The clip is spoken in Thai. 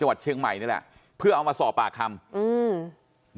จังหวัดเชียงใหม่นี่แหละเพื่อเอามาสอบปากคำอืม